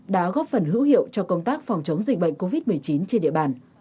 đã góp phần hữu hiệu cho công tác phòng chống dịch bệnh covid một mươi chín trên địa bàn